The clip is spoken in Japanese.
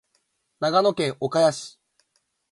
長野県岡谷市